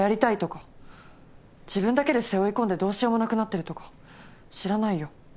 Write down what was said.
自分だけで背負い込んでどうしようもなくなってるとか知らないよ。